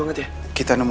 masuk kuliah dulu